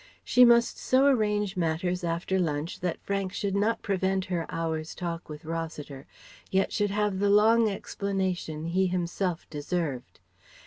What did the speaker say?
She must so arrange matters after lunch that Frank should not prevent her hour's talk with Rossiter, yet should have the long explanation he himself deserved.